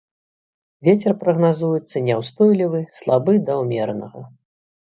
Вецер прагназуецца няўстойлівы слабы да ўмеранага.